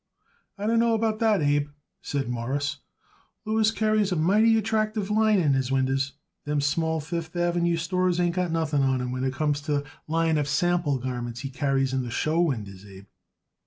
"I don't know about that, Abe," said Morris. "Louis carries a mighty attractive line in his winders. Them small Fifth Avenue stores ain't got nothing on him when it comes to the line of sample garments he carries in his show winders, Abe."